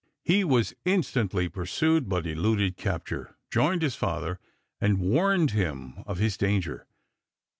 He was instantly pursued, but eluded capture, joined his father, and warned him of his danger.